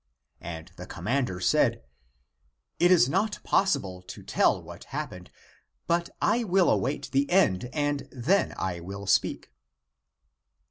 And the commander said, " It is not possible to tell what happened, but I will await the end and then I will speak."